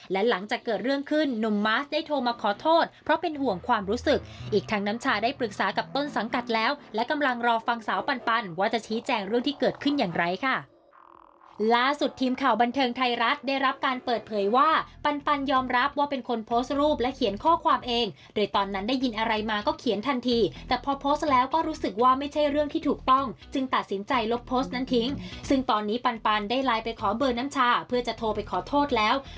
ล่าสุดทีมข่าวบันเทิงไทยรัฐได้รับการเปิดเผยว่าปันปันยอมรับว่าเป็นคนโพสต์รูปและเขียนข้อความเองโดยตอนนั้นได้ยินอะไรมาก็เขียนทันทีแต่พอโพสต์แล้วก็รู้สึกว่าไม่ใช่เรื่องที่ถูกต้องจึงตัดสินใจลบโพสต์นั้นทิ้งซึ่งตอนนี้ปันปันได้ไลน์ไปขอเบอร์น้ำชาเพื่อจะโทรไปขอโทษแล้ว